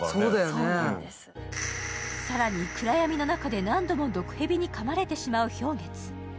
更に暗闇の中で何度も毒蛇にかまれてしまう漂月。